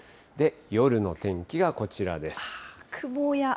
夜の天気がこちらです。